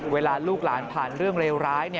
เวลาลูกหลานผ่านเรื่องเลวร้าย